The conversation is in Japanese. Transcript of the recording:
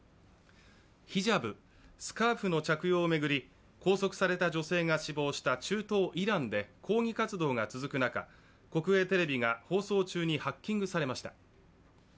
ヒジャブ＝スカーフの着用を巡り拘束された女性が死亡した中東・イランで抗議活動が続く中、国営テレビが放送中にハッキングされました。